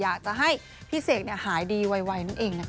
อยากจะให้พี่เสกหายดีไวนั่นเองนะคะ